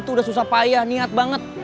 tuh udah susah payah niat banget